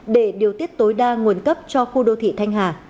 để điều tiết tối đa nguồn cấp cho khu đô thị thanh hà